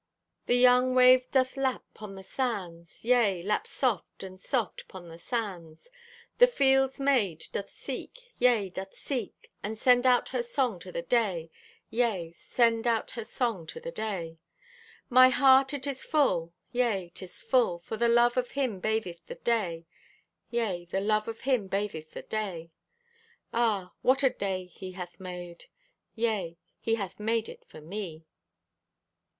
The young wave doth lap 'pon the sands, Yea, lap soft and soft 'pon the sands. The field's maid doth seek, yea, doth seek, And send out her song to the day, Yea, send out her song to the day. My heart it is full, yea, 'tis full, For the love of Him batheth the day, Yea, the love of Him batheth the day. Ah, what a day He hath made, Yea, He hath made it for me!